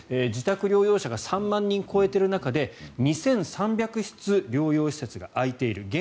自宅療養者が３万人を超えている中で２３００室療養施設が空いている。